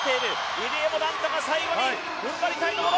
入江もなんとか最後にふんばりたいところ。